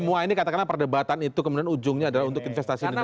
semua ini katakanlah perdebatan itu kemudian ujungnya adalah untuk investasi di negara ini